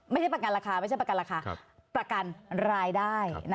ไม่ใช่ประกันราคาประกันรายได้